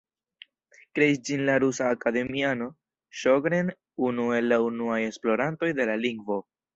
Kreis ĝin la rusa akademiano Ŝogren, unu el la unuaj esplorantoj de la lingvo.